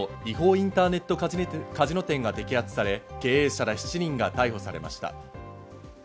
インターネットカジノ店が摘発され、経営者ら７人が逮捕されました。